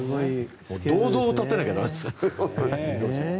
銅像を建てなきゃ駄目ですね。